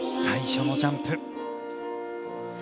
最初のジャンプ。